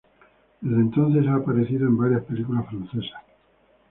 Desde entonces ha aparecido en varias películas francesas.